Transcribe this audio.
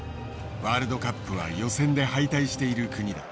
ワールドカップは予選で敗退している国だ。